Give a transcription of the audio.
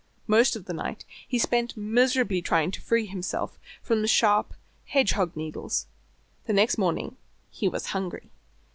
Most of the night he spent miserably trying to free himself from the sharp hedgehog needles. Next morning he was hungry.